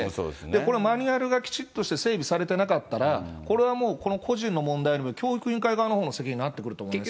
これ、マニュアルがきちっとして整備されていなかったら、これはもうこの個人の問題よりも、教育委員会側のほうのなってくると思います